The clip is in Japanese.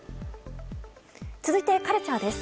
続いてカルチャーです。